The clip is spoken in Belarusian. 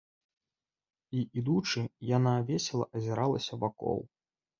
І, ідучы, яна весела азіралася вакол.